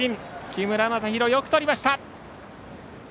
木村政裕がよくとりました！